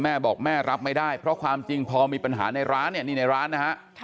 แม่บอกแม่รับไม่ได้เพราะความจริงพอมีปัญหาในร้านเนี่ยนี่ในร้านนะฮะ